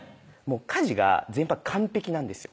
家事が全般完璧なんですよ